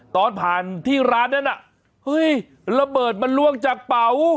ตอนผ่านที่ร้านนั้นน่ะเฮ้ยระเบิดมันล่วงจากเป๋า